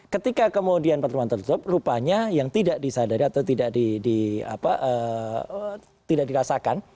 ketika kemudian pertemuan tertutup rupanya yang tidak disadari atau tidak dirasakan